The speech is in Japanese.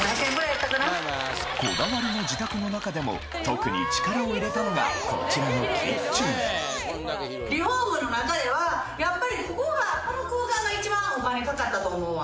こだわりの自宅の中でも特に力を入れたのがこちらのキッチンリフォームの中ではやっぱりここがこの空間が一番お金かかったと思うわ。